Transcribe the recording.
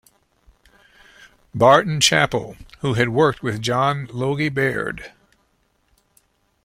Barton-Chapple, who had worked with John Logie Baird.